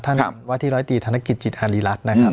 ครับวัฒนีร้อยตีธนกิจจิตอารีรัฐนะครับอืม